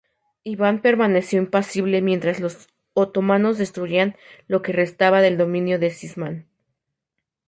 Iván permaneció impasible mientras los otomanos destruían lo que restaba del dominio de Sisman.